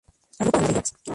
Agrupa a nueve idiomas.